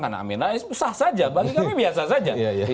karena aminahis sah saja biasa saja